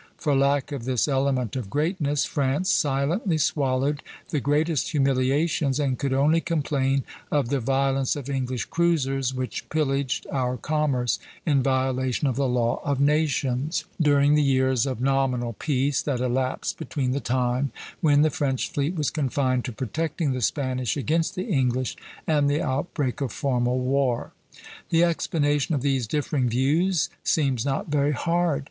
For lack of this element of greatness, France silently swallowed the greatest humiliations, and could only complain of the violence of English cruisers, which pillaged our commerce, in violation of the law of nations," during the years of nominal peace that elapsed between the time when the French fleet was confined to protecting the Spanish against the English and the outbreak of formal war. The explanation of these differing views seems not very hard.